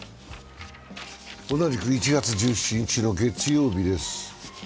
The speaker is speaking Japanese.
同じく１月１７日の月曜日です